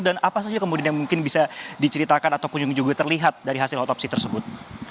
dan apa saja kemudian yang mungkin bisa diceritakan atau pun juga terlihat dari hasil otopsi tersebut